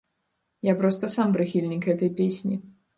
Я проста сам прыхільнік гэтай песні.